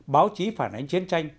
báo chí phản ánh chiến tranh